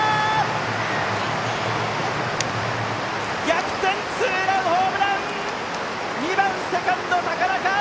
逆転ツーランホームラン２番セカンド高中！